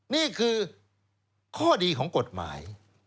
นี่คือข้อดีของกฎหมาย